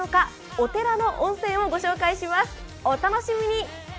お楽しみに！